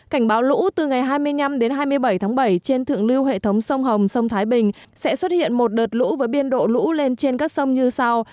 cảnh báo lũ từ ngày hai mươi năm đến hai mươi bảy tháng bảy trên thượng lưu hệ thống sông hồng sông thái bình sẽ xuất hiện một đợt lũ với biên độ lũ lên trên các sông như sau